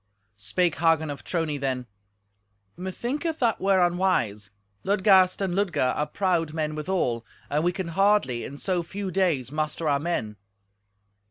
Spake Hagen of Trony then, "Methinketh that were unwise. Ludgast and Ludger are proud men withal, and we can hardly in so few days muster our men."